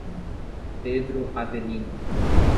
Pedro Avelino